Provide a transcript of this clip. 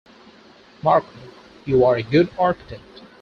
Marco, you are a good architect.